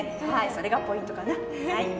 それがポイントかな。